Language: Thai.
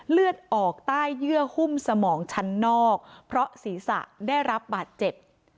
เลือดออกใต้เยื่อหุ้มสมองชั้นนอกเพราะศีรษะได้รับบาดเจ็บ